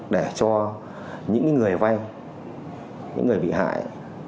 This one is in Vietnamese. để cho những người vay những người bị hại